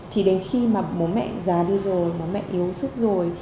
thì đến khi mà bố mẹ già đi rồi bố mẹ yếu sức rồi